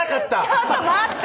「ちょっと待って」